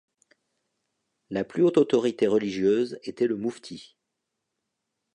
La plus haute autorité religieuse était le mufti.